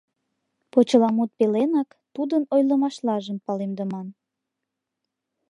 Почеламут пеленак тудын ойлымашлажым палемдыман.